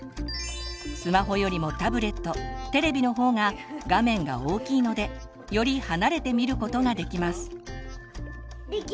スマホよりもタブレットテレビの方が画面が大きいのでより離れて見ることができます。